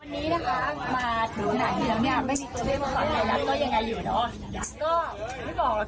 วันนี้นะคะมาถึงหน้าที่แล้วเนี่ยไม่มีตัวเล่มของไทยรัฐ